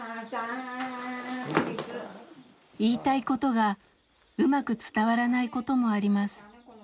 言いたいことがうまく伝わらないこともあります。